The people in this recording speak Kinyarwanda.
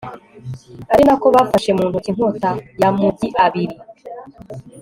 ari na ko bafashe mu ntoki inkota y'amugi abiri